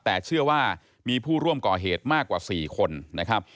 แต่เชื่อว่ามีผู้ร่วมก่อเหตุมากกว่า๔คนนะครับ